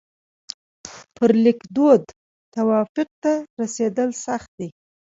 پر لیکدود توافق ته رسېدل سخت دي.